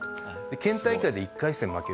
県大会で１回戦負けると。